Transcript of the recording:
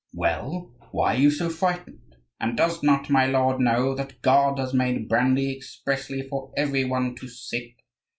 "Well, why are you so frightened?" "And does not my lord know that God has made brandy expressly for every one to sip?